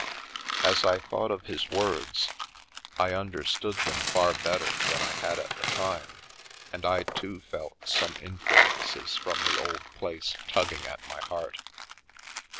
As I thought of his words I understood The Milky Way them far better than I had at the time, and I too felt some influences from the old place tugging at my heart.